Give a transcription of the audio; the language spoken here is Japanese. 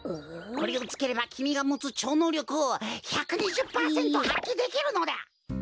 これをつければきみがもつちょうのうりょくを１２０パーセントはっきできるのだ！